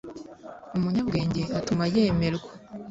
umunyabwenge atuma yemerwa.